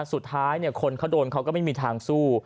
สุดท้ายคนเขาโดนเขาก็ไม่มีทางสู้